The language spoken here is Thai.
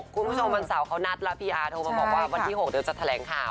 คุณผู้ชมวันสาวเขานัดแล้วพี่อาโทมันบอกว่าวันที่หกเด็กเฉพาะแหลงข่าว